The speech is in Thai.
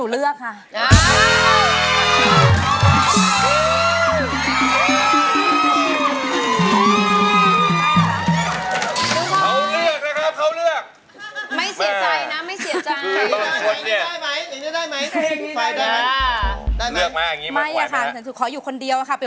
ลุงพรอยคะขอโทษนะคะเห็น